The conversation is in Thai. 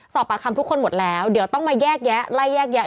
ปากคำทุกคนหมดแล้วเดี๋ยวต้องมาแยกแยะไล่แยกแยะ